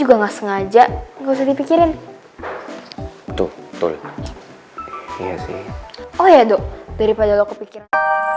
oh iya dok daripada lo kepikiran